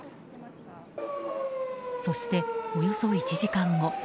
そして、およそ１時間後。